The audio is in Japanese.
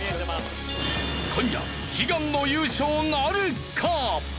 今夜悲願の優勝なるか！？